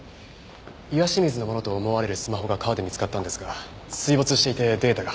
岩清水のものと思われるスマホが川で見つかったんですが水没していてデータが。